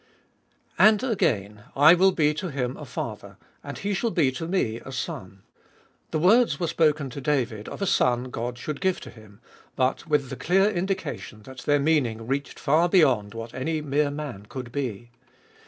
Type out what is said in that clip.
And again, I will be to Him a Father, and He shall be to me a Son. The words were spoken to David of a son God should give to him, but with the clear indication that their meaning reached far beyond what any mere man could be.